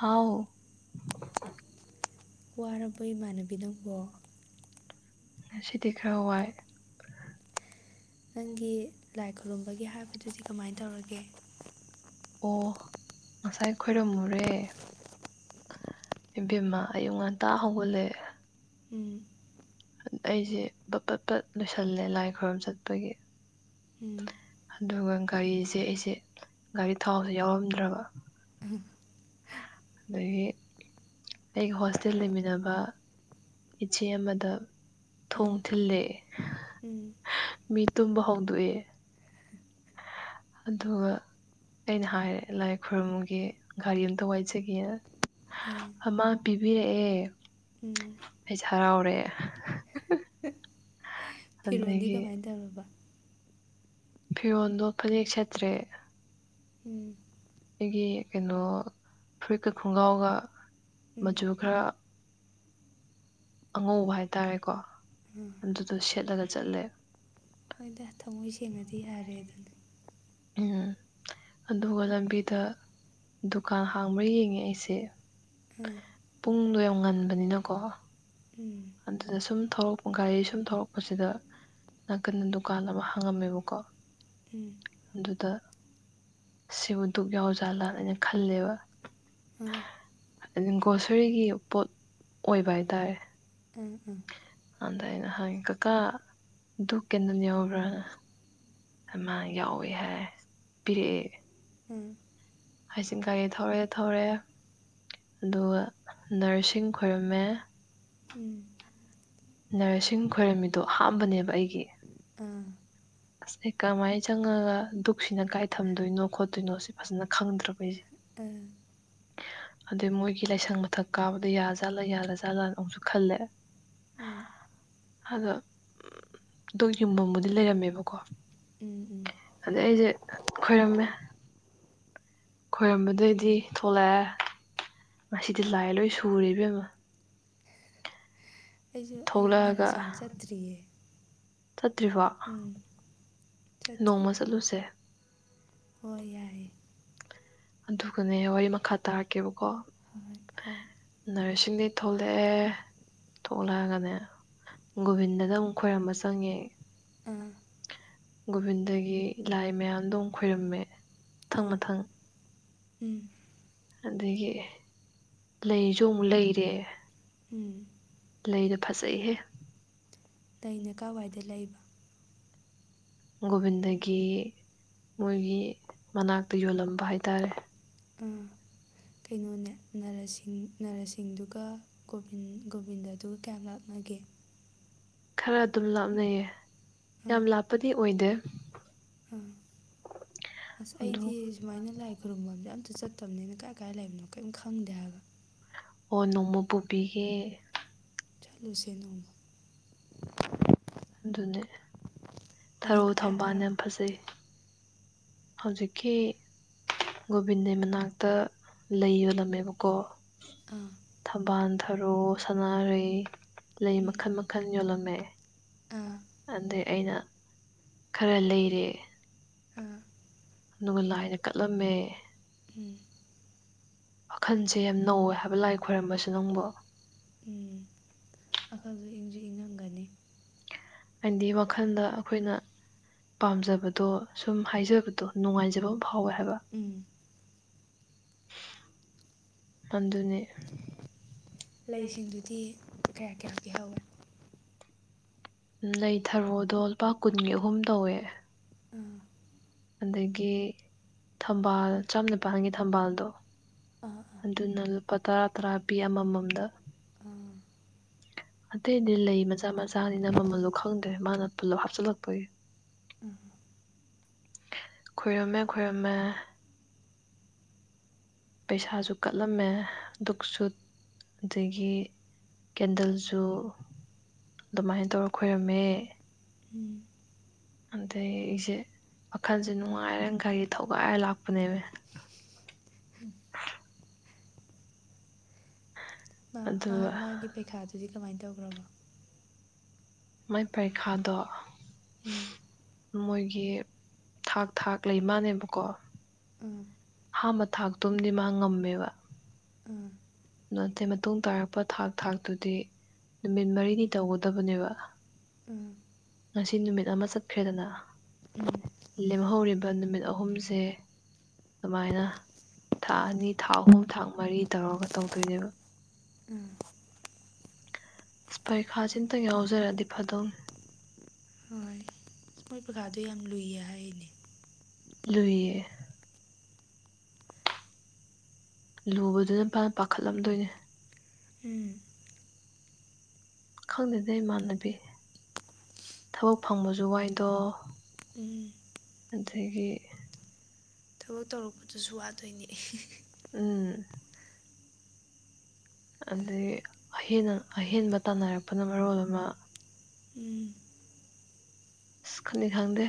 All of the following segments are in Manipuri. ꯍꯥꯎ ꯋꯥꯔꯕ ꯏꯃꯥꯟꯅꯕꯤ ꯅꯪꯀꯣ ꯉꯁꯤꯗ ꯈꯥ ꯋꯥꯏ ꯅꯪꯒꯤ ꯂꯥꯏ ꯈꯨꯔꯨꯝꯕꯒꯤ ꯍꯥꯏꯕꯗꯨꯗꯤ ꯀꯃꯥꯏꯅ ꯇꯧꯔꯒꯦ ꯑꯣ ꯉꯁꯥꯏ ꯈꯣꯏꯔꯝꯃꯨꯔꯦ ꯏꯕꯦꯝꯃ ꯑꯌꯨꯛ ꯉꯟꯇꯥ ꯍꯧꯒꯠꯂꯦ ꯎꯝ ꯑꯩꯁꯦ ꯄꯠ ꯄꯠ ꯂꯣꯏꯁꯤꯜꯂꯦ ꯂꯥꯏ ꯈꯣꯏꯔꯝ ꯆꯠꯄꯒꯤ ꯎꯝ ꯑꯗꯨꯒ ꯒꯥꯔꯤꯁꯦ ꯑꯩꯁꯦ ꯒꯥꯔꯤ ꯊꯥꯎꯁꯦ ꯌꯥꯎꯔꯝꯗ꯭ꯔꯕ ꯑꯗꯒꯤ ꯑꯩꯒ ꯍꯣꯁꯇꯦꯜ ꯂꯩꯃꯤꯟꯅꯕ ꯏꯆꯦ ꯑꯃꯗ ꯊꯣꯡ ꯎꯝ ꯊꯤꯜꯂꯦ ꯎꯝ ꯃꯤ ꯇꯨꯝꯕ ꯍꯧꯗꯣꯛꯌꯦ ꯑꯗꯨꯒ ꯑꯩꯅ ꯍꯥꯏꯔꯦ ꯂꯥꯏ ꯈꯣꯏꯔꯨꯝꯃꯨꯒꯦ ꯒꯥꯔꯤ ꯑꯝꯇ ꯋꯥꯏꯖꯒꯦꯅ ꯎꯝ ꯑꯃ ꯄꯤꯕꯤꯔꯛꯑꯦ ꯎꯝ ꯑꯩꯖꯦ ꯍꯔꯥꯎꯔꯦ ꯐꯤꯔꯣꯜꯗꯤ ꯑꯗꯒꯤ ꯀꯃꯥꯏꯅ ꯇꯧꯔꯕ ꯐꯤꯔꯣꯟꯗꯣ ꯐꯅꯦꯛ ꯁꯦꯠꯇ꯭ꯔꯦ ꯎꯝ ꯑꯩꯒꯤ ꯀꯩꯅꯣ ꯐꯨꯔꯤꯠ ꯒꯥ ꯈꯪꯒ꯭ꯔꯥꯎꯒ ꯎꯝ ꯃꯆꯨ ꯈꯔ ꯑꯉꯧꯕ ꯍꯥꯏꯇꯥꯔꯦꯀꯣ ꯑꯗꯨꯗꯣ ꯁꯦꯠꯂꯒ ꯆꯠꯂꯦ ꯍꯣꯏꯗ ꯊꯃꯣꯏ ꯁꯦꯡꯂꯥꯗꯤ ꯌꯥꯔꯦ ꯗꯨꯅꯤ ꯎꯝ [inaudible] ꯑꯗꯨꯒ ꯂꯝꯕꯤꯗ ꯗꯨꯀꯥꯟ ꯍꯥꯡꯕ꯭ꯔꯥ ꯌꯦꯡꯉꯦ ꯑꯩꯁꯦ ꯑꯥ ꯄꯨꯡꯗꯣ ꯌꯥꯝ ꯉꯟꯕꯅꯤꯅꯀꯣ ꯎꯝ ꯎꯝ ꯑꯗꯨꯗ ꯁꯨꯝ ꯊꯧꯔꯛꯄ ꯒꯥꯔꯤ ꯁꯨꯝ ꯊꯧꯔꯛꯄꯁꯤꯗ ꯅꯥꯀꯟꯗ ꯗꯨꯀꯥꯟ ꯑꯃ ꯍꯥꯡꯉꯝꯃꯦꯕꯀꯣ ꯑꯗꯨꯗ ꯁꯤꯕꯨ ꯙꯨꯛ ꯌꯥꯎꯖꯥꯠ ꯂꯥꯅ ꯑꯩꯅ ꯈꯜꯂꯦꯕ ꯎꯝ ꯑꯗꯨ ꯒ꯭ꯔꯣꯁꯔꯤꯒꯤ ꯄꯣꯠ ꯑꯣꯏꯕ ꯍꯥꯏꯇꯥꯔꯦ ꯎꯝ ꯎꯝ ꯑꯗꯥ ꯑꯩꯅ ꯍꯪꯉꯦ ꯀꯀꯥ ꯙꯨꯛ ꯀꯦꯟꯗꯜ ꯌꯥꯎꯕ꯭ꯔꯥꯅ ꯑꯃ ꯌꯥꯎꯋꯦ ꯍꯥꯏ ꯄꯤꯔꯛꯑꯦ ꯎꯝ ꯑꯩꯁꯦ ꯒꯥꯔꯤ ꯊꯧꯔꯦ ꯊꯧꯔꯦ ꯑꯗꯨꯒ ꯅꯔꯁꯤꯡ ꯈꯣꯏꯔꯝꯃꯦ ꯎꯝ ꯅꯔꯁꯤꯡ ꯈꯣꯏꯔꯝꯃꯤꯗꯣ ꯑꯍꯟꯕꯅꯦꯕꯥ ꯑꯩꯒꯤ ꯑꯝ ꯑꯁ ꯑꯩ ꯀꯃꯥꯏꯅ ꯆꯪꯉꯥꯒ ꯙꯨꯛꯁꯤꯅ ꯀꯥꯏ ꯊꯝꯗꯣꯏꯅꯣ ꯈꯣꯠꯇꯣꯏꯅꯣ ꯁꯤ ꯐꯖꯥꯅ ꯈꯪꯗ꯭ꯔꯕ ꯑꯩꯁꯦ ꯑꯝ ꯑꯗꯩ ꯃꯣꯏꯒꯤ ꯂꯥꯏꯁꯪ ꯃꯊꯛ ꯀꯥꯕꯗ ꯌꯥ ꯖꯥꯠꯂꯥ ꯌꯥꯗꯥꯖꯠꯂꯥ ꯑꯃꯨꯛꯁꯨ ꯈꯜꯂꯦ ꯎꯝ ꯑꯗꯣ ꯙꯨꯛ ꯌꯨꯡꯐꯝ ꯕꯨꯗꯤ ꯂꯩꯔꯝꯃꯦꯕꯀꯣ ꯎꯝ ꯎꯝ ꯑꯗꯩ ꯑꯩꯁꯦ ꯈꯣꯏꯔꯝꯃꯦ ꯈꯣꯏꯔꯝꯕꯗꯩꯗꯤ ꯊꯣꯛꯂꯛꯑꯦ ꯉꯁꯤꯗꯤ ꯂꯥꯏ ꯂꯣꯏ ꯁꯨꯔꯦ ꯏꯕꯦꯝ ꯃꯥ ꯑꯩꯁꯨ ꯑꯩꯁꯨ ꯊꯣꯛꯂꯛꯑꯒ ꯅꯔꯁꯤꯡ ꯆꯠꯇ꯭ꯔꯤꯌꯦ ꯆꯠꯇ꯭ꯔꯤꯕ ꯎꯝ ꯅꯣꯡꯃ ꯆꯠꯂꯨꯁꯦ ꯑꯣꯏ ꯌꯥꯏ ꯑꯗꯨꯒꯅꯦ ꯋꯥꯔꯤ ꯃꯈꯥ ꯇꯥꯔꯛꯀꯦꯕꯀꯣ ꯍꯣꯏ ꯍꯣꯏ ꯅꯔꯁꯤꯡꯗꯩꯩ ꯊꯣꯛꯂꯛꯑꯦ ꯊꯣꯛꯂꯛꯑꯒꯅꯦ ꯒꯣꯕꯤꯟꯗꯗꯥ ꯑꯃꯨꯛ ꯈꯣꯏꯔꯝꯕ ꯆꯪꯉꯦ ꯑꯥ ꯒꯣꯕꯤꯟꯗꯒꯤ ꯂꯥꯏ ꯃꯌꯥꯝꯗꯣ ꯑꯃꯨꯛ ꯈꯣꯏꯔꯝꯃꯦ ꯃꯊꯪ ꯑꯥ ꯃꯊꯪ ꯎꯝ ꯑꯗꯒꯤ ꯂꯩꯁꯨ ꯑꯃꯨꯛ ꯂꯩꯔꯦ ꯎꯝ ꯂꯩꯗꯣ ꯐꯖꯩꯍꯦ ꯂꯩꯩꯅ ꯀꯥꯢꯋꯥꯏꯗꯩ ꯂꯩꯕ ꯒꯣꯕꯤꯟꯗꯒꯤ ꯃꯣꯏꯒꯤ ꯃꯅꯥꯛꯇ ꯌꯣꯜꯂꯝꯕ ꯍꯥꯏ ꯇꯔꯦ ꯑꯥ ꯀꯩꯅꯣꯅꯦ ꯅꯔꯁꯤꯡ ꯅꯔꯁꯤꯡꯗꯨꯒ ꯒꯣꯟ ꯒꯣꯕꯤꯟꯗꯗꯨꯒ ꯀꯌꯥꯝ ꯂꯥꯞꯅ ꯑꯣꯀꯦ ꯈꯔ ꯑꯗꯨꯝ ꯂꯥꯞꯅꯩꯌꯦ ꯑꯥ ꯌꯥꯝ ꯂꯥꯞꯄꯗꯤ ꯑꯣꯏꯗꯦ ꯑꯥ ꯑꯁ ꯑꯗꯨ ꯑꯩꯗꯤ ꯁꯨꯃꯥꯏꯅ ꯂꯥꯏ ꯈꯨꯔꯨꯝꯐꯝꯁꯦ ꯑꯝꯇ ꯑꯗꯨ ꯆꯠꯇꯕꯅꯤꯅ ꯀꯥꯏ ꯀꯥꯏ ꯂꯩꯕꯅꯣ ꯀꯔꯤꯝꯇ ꯈꯪꯗꯦ ꯍꯥꯏꯔꯒ ꯑꯣ ꯅꯣꯡꯃ ꯄꯨꯕꯤꯒꯦ ꯆꯠꯂꯨꯁꯦ ꯅꯣꯡꯃ ꯑꯗꯨꯅꯦ ꯋꯥꯔꯤ ꯊꯔꯣ ꯃꯈꯥ ꯊꯧꯕꯥꯜ ꯌꯥꯝ ꯇꯥꯔꯛꯑꯣ ꯐꯖꯩ ꯍꯧꯖꯤꯛꯀꯤ ꯒꯣꯕꯤꯟꯗꯦ ꯃꯅꯥꯛꯇ ꯂꯩ ꯌꯣꯜꯂꯝꯃꯦꯕꯀꯣ ꯑꯥ ꯊꯝꯕꯥꯜ ꯊꯔꯣ ꯁꯅꯥꯔꯩ ꯂꯩ ꯎꯝ ꯃꯈꯜ ꯃꯈꯜ ꯌꯣꯜꯂꯝꯃꯦ ꯑꯥ ꯑꯗꯩ ꯑꯩꯅ ꯈꯔ ꯂꯩꯔꯦ ꯑꯥ ꯑꯗꯨꯒ ꯂꯥꯏꯅ ꯀꯠꯂꯝꯃꯦ ꯎꯝ ꯃꯈꯈꯟꯁꯦ ꯌꯥꯝ ꯅꯧꯋꯦ ꯍꯥꯏꯕ ꯂꯥꯏ ꯈꯣꯏꯔꯝꯕꯁꯨ ꯅꯪꯕ ꯊꯤꯉꯝꯒꯅꯤ ꯍꯥꯏꯗꯤ ꯋꯥꯈꯜꯗ ꯑꯩꯈꯣꯏꯅ ꯄꯥꯝꯖꯕꯗꯣ ꯁꯨꯝ ꯍꯥꯏꯖꯕꯗꯣ ꯅꯨꯡꯉꯥꯏꯖꯕ ꯑꯃ ꯐꯥꯎꯋꯦ ꯍꯥꯏꯕ ꯎꯝ ꯑꯗꯨꯅꯤ ꯂꯩꯁꯤꯡꯗꯨꯗꯤ ꯀꯌꯥ ꯀꯌꯥ ꯄ ꯍꯧꯋꯦ ꯅ ꯊꯔꯣꯗꯣ ꯂꯨꯄꯥ ꯀꯨꯟꯒꯤ ꯑꯍꯨꯝ ꯇꯧꯋꯦ ꯑꯥ ꯑꯗꯒꯤ ꯊꯝꯕꯥꯜ ꯆꯝ ꯅꯤꯄꯥꯜꯒꯤ ꯊꯝꯕꯥꯜꯗꯣ ꯑꯥ ꯑꯥ ꯑꯗꯨꯅ ꯂꯨꯄꯥ ꯇꯔꯥ ꯇꯔꯥ ꯄꯤ ꯑꯃꯃꯝꯗ ꯑꯥ ꯑꯇꯩꯗꯤ ꯂꯩ ꯃꯆꯥ ꯃꯆꯥꯅꯤꯅ ꯃꯃꯜꯂꯣ ꯈꯪꯗ꯭ꯔꯦ ꯃꯥꯅ ꯄꯨꯜꯂꯞ ꯍꯥꯞꯆꯤꯜꯂꯛꯄꯒꯤ ꯑꯝ ꯈꯏꯔꯃꯦ ꯈꯔꯝꯃꯦ ꯄꯩꯁꯥꯁꯨ ꯀꯠꯂꯝꯃꯦ ꯗꯨꯛꯁꯨ ꯑꯗꯒꯤ ꯀꯦꯟꯗꯜꯁꯨ ꯑꯗꯨꯃꯥꯏꯅ ꯇꯧꯔ ꯈꯣꯏꯔꯝꯃꯦ ꯎꯝ ꯑꯗ ꯏꯁꯦ ꯋꯥꯈꯜꯁꯦ ꯅꯨꯡꯉꯥꯏꯔꯦꯅ ꯈꯩꯒꯤ ꯊꯧꯒꯥꯏꯔ ꯂꯥꯛꯄꯅꯦꯕ ꯎꯝ ꯃꯥ ꯑꯗꯨꯒ ꯃꯥꯒꯤ ꯄꯩꯈꯥꯗꯨꯗꯤ ꯀꯃꯥꯏꯅ ꯇꯧꯈ꯭ꯔꯕꯣ ꯃꯥꯏ ꯄꯔꯤꯈꯥꯗꯣ ꯎ ꯃꯣꯏꯒꯤ ꯊꯥꯛ ꯊꯥꯛ ꯂꯩ ꯃꯥꯅꯦꯕꯀꯣ ꯎꯝ ꯍꯥ ꯃ ꯊꯥꯛꯇꯨꯝꯗꯤ ꯃꯥ ꯉꯝꯃꯦꯕ ꯎꯝ ꯑꯗꯨ ꯅꯇꯩ ꯃꯇꯨꯡ ꯇꯥꯔꯛꯄ ꯊꯥꯛ ꯊꯥꯛꯇꯨꯗꯤ ꯅꯨꯃꯤꯠ ꯃꯔꯤꯅꯤ ꯇꯧꯒꯗꯕꯅꯦꯕ ꯎꯝ ꯉꯁꯤ ꯅꯨꯃꯤꯠ ꯑꯃ ꯆꯠꯈ꯭ꯔꯦꯗꯅ ꯎꯝ ꯂꯦꯝꯍꯧꯔꯤꯕ ꯅꯨꯃꯤꯠ ꯑꯍꯨꯝꯁꯦ ꯑꯗꯨꯃꯥꯏꯅ ꯊꯥ ꯑꯅꯤ ꯊꯥ ꯑꯍꯨꯝ ꯊꯥꯡ ꯃꯔꯤ ꯇꯧꯔꯒ ꯇꯧꯗꯣꯏꯅꯦꯕ ꯎꯝ ꯁꯄꯔꯈꯥ ꯆꯤꯟꯇꯪ ꯌꯥ ꯌꯥꯖꯔꯗꯤ ꯐꯗꯣ ꯍꯣꯏ ꯃꯣꯏ ꯄꯀꯥꯗꯣ ꯌꯥꯝ ꯂꯨꯏꯌꯦ ꯍꯥꯏꯔꯤꯅꯦ ꯂꯨꯏꯌꯦ ꯂꯨꯕꯗꯨꯅꯄꯥꯅ ꯄꯥꯈꯠꯂꯝꯗꯣꯏꯅꯦ ꯎꯝ ꯈꯪꯗꯦꯗ ꯏꯃꯥꯟꯅꯕꯤ ꯊꯕꯛ ꯐꯪꯕꯁꯨ ꯋꯥꯏꯗꯣ ꯎꯝ ꯑꯗꯒꯤ ꯊꯕꯛ ꯇꯧꯔꯛꯄꯗꯨꯁꯨ ꯋꯥꯗꯣꯏꯅꯦ ꯎꯝ ꯑꯗꯩ꯫ ꯑꯍꯦꯟ ꯑꯍꯦꯟꯕ ꯇꯥꯟꯅꯔꯛꯄꯅ ꯃꯔꯣꯜ ꯑꯃ ꯎꯝ ꯈꯨꯅꯤ ꯈꯪꯗꯦ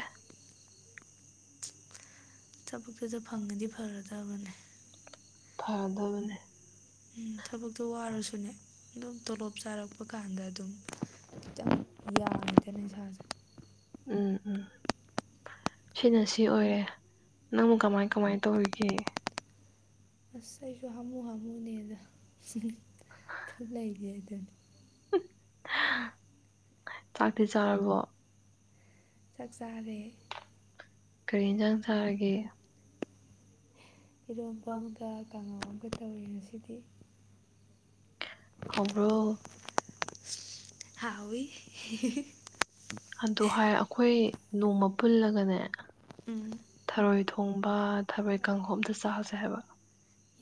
ꯊꯕꯛꯇꯨꯗ ꯐꯪꯉꯗꯤ ꯐꯔꯗꯕꯅꯦ ꯐꯔꯗꯕꯅꯦ ꯎꯝ ꯊꯕꯛꯇꯣ ꯋꯥꯔꯁꯨꯅꯦ ꯑꯗꯨꯝ ꯇꯣꯂꯣꯞ ꯆꯥꯔꯛꯄ ꯀꯥꯟꯗ ꯑꯗꯨꯝ ꯈꯤꯇꯪ ꯌꯥꯝ ꯆꯅ ꯏꯁꯥꯁꯦ ꯎꯝ ꯎꯝ ꯁꯤꯅ ꯁꯤ ꯑꯣꯏꯔꯦ ꯅꯪꯕꯨ ꯀꯃꯥꯏ ꯀꯃꯥꯏ ꯇꯧꯔꯤꯒꯦ ꯑꯁ ꯑꯩꯁꯨ ꯍꯥꯃꯨ ꯍꯥꯃꯨꯅꯦꯗ ꯑꯗꯨꯝ ꯂꯩꯔꯤ ꯍꯥꯏꯗꯨꯅꯦ ꯆꯥꯛꯇꯤ ꯆꯥꯔꯕꯣ ꯆꯥꯛ ꯆꯥꯔꯦ ꯀꯔꯤ ꯍꯦꯟꯖꯥꯡ ꯆꯥꯔꯒꯦ ꯏꯔꯣꯝꯕ ꯑꯃꯒ ꯀꯥꯡꯉꯧ ꯑꯃꯒ ꯇꯧꯋꯦ ꯉꯁꯤꯗꯤ ꯍꯥꯎꯕ꯭ꯔꯣ ꯍꯥꯎꯋꯦ ꯑꯗꯨ ꯍꯥꯏ ꯑꯩꯈꯣꯏ ꯅꯣꯡꯃ ꯄꯨꯜꯂꯒꯅꯦ ꯎꯝ ꯊꯔꯣꯏ ꯊꯣꯡꯕ ꯊꯥꯔꯣꯏ ꯀꯥꯡꯍꯧ ꯑꯝꯇꯥ ꯆꯥꯔꯨꯁꯦ ꯍꯥꯏꯕ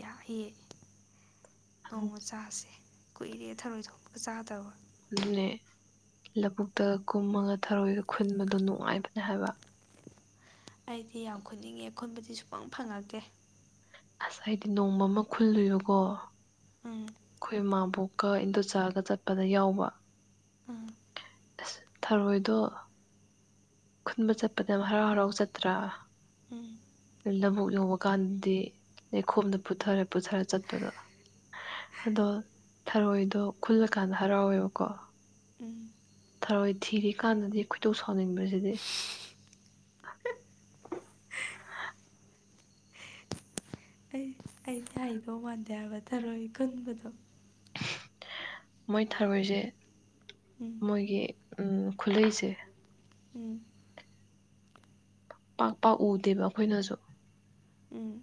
ꯌꯥꯏꯌꯦ ꯅꯣꯡꯃ ꯆꯥꯁꯦ ꯀꯨꯏꯔꯦ ꯊꯔꯣꯏ ꯊꯣꯡꯕꯥꯒ ꯆꯥꯗꯕꯥ ꯑꯗꯨꯅꯦ ꯂꯕꯨꯨꯛꯇꯒ ꯀꯨꯝꯃꯒ ꯊꯥꯔꯣꯏꯒꯥ ꯈꯨꯟꯕꯗꯣ ꯅꯨꯡꯉꯥꯏꯕꯅꯦ ꯍꯥꯏꯕ ꯑꯩꯗꯤ ꯌꯥꯝ ꯈꯨꯠꯅꯤꯡꯉꯦ ꯈꯨꯟꯕꯗꯤ ꯁꯨꯛꯐꯪ ꯐꯪꯉꯛꯇꯦ ꯑꯁ ꯑꯩꯗꯤ ꯅꯣꯡꯃ ꯑꯃ ꯈꯨꯜꯂꯨꯏꯕꯀꯣ ꯎꯝ ꯑꯩꯈꯣꯏ ꯃꯥꯕꯣꯛꯀ ꯏꯟꯗꯣꯟꯆꯥꯒ ꯆꯠꯄꯗ ꯌꯥꯎꯕ ꯎꯝ ꯑꯁ ꯊꯥꯔꯣꯏꯗꯣ ꯈꯨꯟꯕ ꯆꯠꯄꯗ ꯍꯔꯥꯎ ꯍꯔꯥꯎ ꯆꯠꯇ꯭ꯔꯥ ꯎꯝ ꯂꯥꯕꯨꯛ ꯇꯧꯕꯀꯥꯟꯗꯗꯤ ꯂꯩꯈꯣꯝꯗ ꯄꯨꯊꯔꯥ ꯄꯨꯊꯔꯥ ꯆꯠꯄꯗꯣ ꯑꯗꯣ ꯊꯥꯔꯣꯏꯗꯣ ꯈꯨꯜꯂꯀꯥꯟꯗ ꯍꯔꯥꯎꯋꯦꯕꯀꯣ ꯎꯝ ꯊꯥꯔꯣꯏ ꯊꯤꯔꯤ ꯀꯥꯟꯗꯗꯤ ꯈꯣꯏꯗꯧ ꯁꯥꯎꯅꯤꯡꯕꯁꯤꯗꯤ [inaudible] ꯑꯩ ꯑꯩꯗꯤ ꯍꯩꯗꯧ ꯃꯥꯟꯗꯦ ꯍꯥꯏꯕ ꯊꯥꯔꯣꯏ ꯈꯨꯟꯕꯗꯣ ꯃꯣꯏ ꯊꯔꯣꯏꯁꯦ ꯎꯝ ꯃꯣꯏꯒꯤ ꯎꯝ ꯈꯨꯂꯩꯁꯦ ꯎꯝ ꯄꯥꯛ ꯄꯥꯛ ꯎꯗꯦꯕ ꯑꯩꯈꯣꯏꯅꯁꯨ ꯎꯝ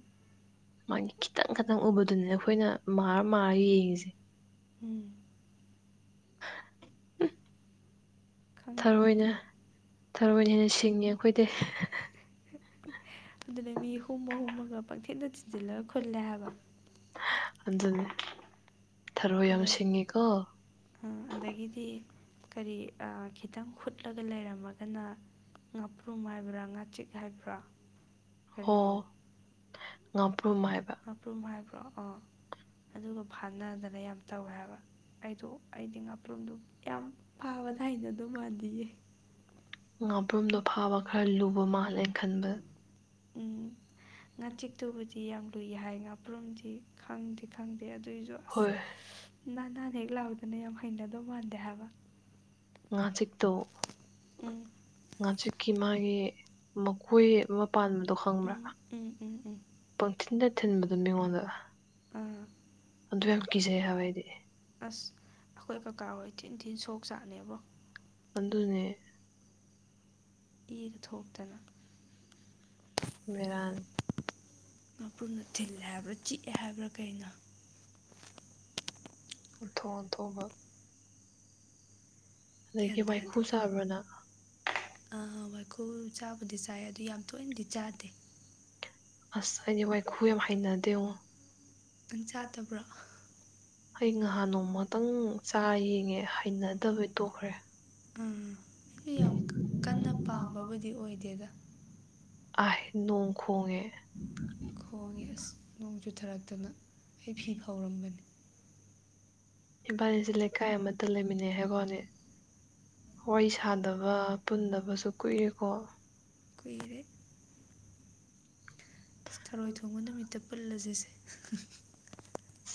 ꯃꯥꯒꯤ ꯈꯤꯇꯪ ꯈꯤꯇꯪ ꯎꯕꯗꯨꯅꯦ ꯑꯩꯈꯣꯏꯅ ꯃꯥꯔ ꯃꯥꯔ ꯌꯦꯡꯉꯤꯁꯦ ꯎꯝ ꯈꯪꯗꯔ꯭ꯦꯗ ꯊꯔꯣꯏ ꯍꯦꯟꯅ ꯁꯤꯡꯉꯦ ꯑꯩꯈꯣꯏꯗꯩ꯫ ꯑꯗꯨꯅꯦ ꯃꯤ ꯍꯨꯝꯃ ꯍꯨꯝꯃꯒ ꯄꯪꯊꯤꯟꯗ ꯊꯤꯟꯖꯤꯜꯂꯒ ꯈꯨꯜꯂꯦ ꯍꯥꯏꯕ ꯑꯗꯨ ꯊꯔꯣꯏ ꯌꯥꯝ ꯑꯗꯒꯤ ꯁꯤꯡꯉꯤꯀꯣ ꯑꯗꯒꯤꯗꯤ ꯀꯔꯤ ꯈꯤꯇꯪ ꯍꯨꯠꯂꯒ ꯂꯩꯔꯝꯃꯒꯅ ꯉꯥꯄ꯭ꯔꯨꯝ ꯍꯥꯏꯕ꯭ꯔꯥ ꯉꯥꯆꯤꯛ ꯍꯥꯏꯕ꯭ꯔꯥ ꯀꯔꯤꯅꯣ ꯑꯣ ꯉꯥꯄ꯭ꯔꯨꯝ ꯍꯥꯏꯕ ꯣꯑꯣ ꯑꯗꯨꯒ ꯐꯥꯅꯗꯅ ꯌꯥꯝ ꯇꯧꯋꯦ ꯍꯥꯏꯕ ꯑꯩꯗꯣ ꯑꯩꯗꯤ ꯉ ꯄꯔꯨꯝꯗꯣ ꯌꯥꯝ ꯐꯥꯕꯗ ꯍꯩꯅꯗꯧ ꯃꯟꯗꯤꯌꯦ ꯉꯥꯄ꯭ꯔꯨꯝꯗꯣ ꯐꯥꯕ ꯈꯔ ꯂꯨꯕ ꯃꯥꯜꯂꯦ ꯑꯩꯅꯥ ꯈꯟꯕꯗ ꯉꯥꯆꯤꯛꯇꯨꯕꯨꯗꯤ ꯌꯥꯝ ꯂꯨꯏ ꯍꯥꯏ ꯉꯥꯄ꯭ꯔꯨꯝꯗꯤ ꯈꯪꯗꯤ ꯈꯪꯗꯦ ꯑꯗꯨꯑꯣꯏꯁꯨ ꯑꯁ ꯍꯣꯏ ꯅꯥꯟ ꯅꯥꯟ ꯍꯦꯛ ꯍꯦꯛ ꯂꯥꯎꯗꯅ ꯌꯥꯝ ꯍꯩꯅꯗꯧ ꯃꯥꯟꯗꯦ ꯍꯥꯏꯕ ꯉꯥꯆꯤꯛꯇꯣ ꯎꯝ ꯉꯥꯆꯤꯛꯀꯤ ꯃꯥꯒꯤ ꯃꯈꯣꯏ ꯑꯃ ꯄꯥꯟꯕꯗꯣ ꯈꯪꯕ꯭ꯔꯥ ꯎꯝ ꯎꯝ ꯎꯝ ꯎꯝ ꯄꯪꯊꯤꯟꯗ ꯊꯤꯟꯕꯗꯨ ꯃꯤꯉꯣꯟꯗ ꯑꯥ ꯑꯗꯨ ꯌꯥꯝ ꯀꯤꯖꯩ ꯍꯥꯏꯋꯥꯏꯗꯤ ꯇꯤꯟꯁꯣꯛ ꯆꯥꯛꯅꯦꯕꯣ ꯑꯗꯨꯅꯦ ꯏꯒ ꯊꯣꯛꯇꯅ ꯕꯦꯔꯥꯅꯤ ꯃꯄ꯭ꯔꯨꯝꯅ ꯊꯤꯜꯂꯦ ꯍꯥꯏꯕ꯭ꯔꯥ ꯆꯤꯛꯑꯦ ꯍꯥꯏꯕ꯭ꯔꯥ ꯀꯩꯅꯣ ꯎꯟꯊꯣꯛꯟꯊꯣꯛꯕ ꯑꯗꯒꯤ ꯒ꯭ꯌꯥꯟ ꯋꯥꯏꯈꯨ ꯇꯥꯗꯦ ꯁꯥꯕꯅ ꯋꯥꯏꯈꯨꯜ ꯆꯥꯕꯨꯗꯤ ꯆꯥꯏ ꯑꯗꯨ ꯌꯥꯝ ꯇꯣꯏꯅꯗꯤ ꯆꯥꯗꯦ ꯑꯁ ꯑꯩꯗꯤ ꯋꯥꯥꯏꯈꯨꯝ ꯌꯥꯝ ꯍꯥꯏꯅꯗꯦꯕꯣ ꯅꯪ ꯆꯥꯗꯕ꯭ꯔꯣ ꯑꯥ ꯈꯤꯇꯪ ꯆꯥ ꯌꯦꯡꯉꯦ ꯍꯩꯅꯗꯕꯩ ꯇꯣꯛꯈ꯭ꯔꯦ ꯑꯥ ꯌꯥꯝ ꯀꯟꯅ ꯄꯥꯝꯕꯕꯨꯗꯤ ꯑꯣꯏꯗꯦꯗ ꯑꯍ ꯅꯣꯡ ꯈꯣꯡꯉꯦ ꯇꯅ ꯑꯩ ꯐꯤ ꯐꯥꯎꯔꯝꯕꯅꯤ ꯏꯝꯐꯥꯅꯤꯁꯦ ꯂꯩꯀꯥꯏ ꯑꯃꯇ ꯂꯩꯃꯤꯟꯅꯩ ꯍꯥꯏꯕꯅꯦ ꯋꯥꯔꯤ ꯁꯥꯗꯕ ꯄꯨꯟꯗꯕꯁꯨ ꯀꯨꯏꯔꯦꯀꯣ ꯀꯨꯏꯔꯦ ꯊꯔꯣꯏ ꯊꯣꯡꯕ ꯅꯨꯃꯤꯠꯇ ꯄꯨꯜꯂꯁ ꯁꯦ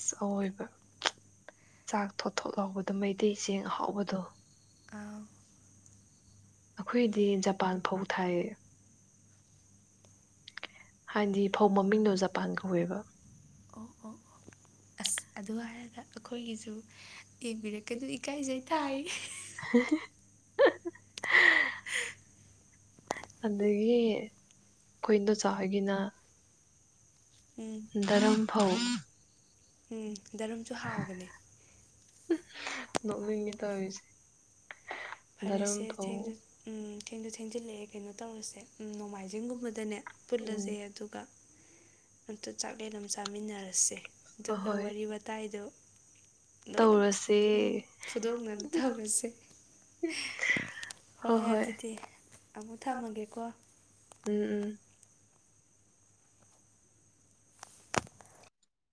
ꯁ ꯑꯑꯣꯏꯕ ꯆꯥꯛ ꯊꯣꯠ ꯊꯣꯠ ꯍꯥꯎꯕꯗ ꯃꯩꯇꯩ ꯆꯦꯡ ꯑꯍꯥꯎꯕꯗꯣ ꯑꯥꯎ ꯑꯩꯈꯣꯏꯗꯤ ꯖꯄꯥꯟ ꯐꯧ ꯊꯥꯏꯌꯦ ꯍꯥꯏꯅꯗꯤ ꯐꯧ ꯃꯃꯤꯡꯗꯣ ꯖꯄꯥꯟ ꯀꯧꯋꯦꯕ ꯑ ꯑꯗꯨ ꯍꯥꯏꯔꯒ ꯑꯩꯈꯣꯏꯒꯤꯁꯨ ꯏꯛꯕꯤꯔꯛꯀ ꯑꯗꯨ ꯏꯀꯥꯏꯖꯩ ꯇꯥꯏ ꯑꯗꯒꯤ ꯈꯣꯢ ꯏꯟꯗꯣꯆꯥꯍꯣꯢꯒꯤꯅ ꯎꯝ ꯗꯔꯝꯐꯧ ꯎꯝ ꯗꯔꯝꯁꯨ ꯍꯥꯎꯕꯅꯦ ꯅꯣꯡꯅꯤꯏ ꯇꯧꯔꯤꯁꯤ ꯐꯔꯦꯁꯦ ꯊꯦꯡꯁꯨ ꯎꯝ ꯊꯦꯡꯗ ꯊꯦꯡꯖꯤꯜꯂꯛꯑꯦ ꯀꯩꯅꯣ ꯇꯧꯔꯁꯦ ꯎ ꯅꯣꯡꯃꯥꯏꯖꯤꯡꯒꯨꯝꯕꯗꯅꯦ ꯎꯝ ꯄꯨꯜꯂꯁꯦ ꯑꯗꯨꯒ ꯑꯇ ꯆꯥꯛꯂꯦꯟꯅꯣ ꯆꯥꯃꯤꯟꯅꯔꯁꯦ ꯍꯣꯏ ꯑꯗꯨꯒ ꯍꯣꯏ ꯋꯥꯔꯤ ꯋꯥꯇꯥꯏꯗꯨ ꯂꯣꯏꯅ ꯇꯧꯔꯁꯦ ꯐꯨꯗꯣꯛꯅꯅ ꯊꯔꯁꯦ ꯍꯣꯏ ꯍꯣꯏ ꯑꯗꯨꯗꯤ ꯑꯃꯨꯛ ꯊꯝꯃꯒꯦꯀꯣ ꯎꯝ ꯎꯝ